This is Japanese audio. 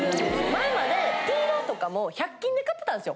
前までピーラーとかも１００均で買ってたんですよ。